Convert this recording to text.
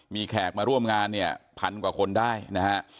มีแขกมาร่วมงานเนี่ยพันกว่าคนได้นะฮะ